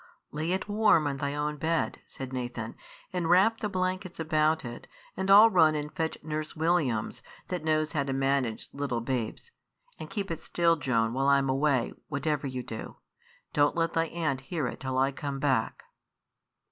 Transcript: "Lay it warm in thy own bed," said Nathan, "and wrap the blankets about it, and I'll run and fetch Nurse Williams, that knows how to manage little babes; and keep it still, Joan, while I'm away, whatever you do. Don't let thy aunt hear it till I come back."